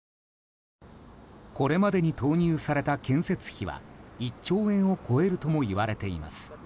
これまでに投入された建設費は１兆円を超えるともいわれています。